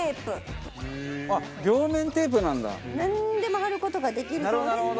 なんでも貼る事ができるそうです。